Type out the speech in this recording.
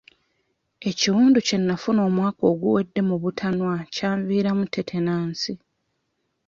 Ekiwundu kye nafuna omwaka oguwedde mu butanwa kyanviiramu tetanansi.